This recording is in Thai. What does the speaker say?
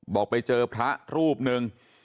บอกไปเจอพระรูปหนึ่ง